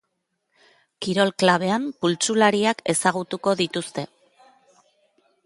Kirol klabean pultsulariak ezagutuko dituzte.